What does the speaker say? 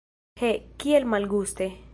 He, kiel malguste!